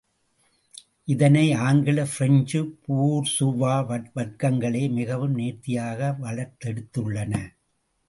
இதனை ஆங்கில, French bourgeois வர்க்கங்களே மிகவும் நேர்த்தியாக வளர்ந் தெடுத்துள்ளன.